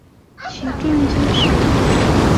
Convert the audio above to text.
起重机是一种。